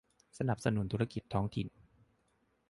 สนับสนุนธุรกิจท้องถิ่น